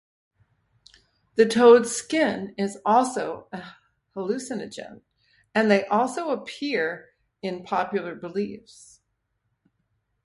The toad's skin is also a hallucinogen, and they also appear in popular beliefs.